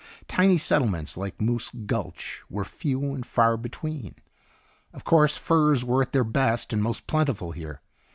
Tiny settlements, like Moose Gulch were few and far between. Of course, furs were at their best and most plentiful here.